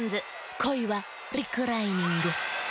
「こいはリクライニング」。